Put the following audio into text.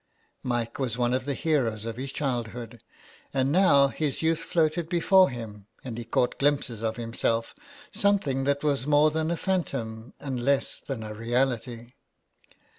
Mike was one of the heroes of his childhood, and now his youth floated before him, and he caught glimpses of himself, something that was more than a phantom and less than a reality.